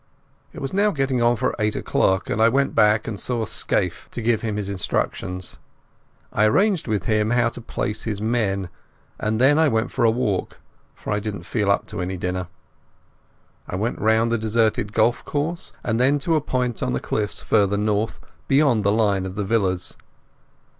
It was now getting on for eight o'clock, and I went back and saw Scaife to give him his instructions. I arranged with him how to place his men, and then I went for a walk, for I didn't feel up to any dinner. I went round the deserted golf course, and then to a point on the cliffs farther north beyond the line of the villas.